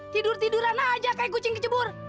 tidur tiduran aja kayak kucing kejebur